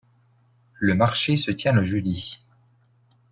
le marché se tient le jeudi.